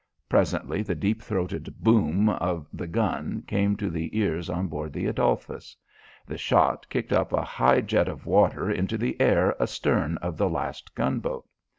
Presently the deep throated boom of the gun came to the ears on board the Adolphus. The shot kicked up a high jet of water into the air astern of the last gunboat.